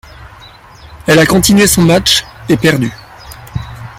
Elle a continué son match et perdu.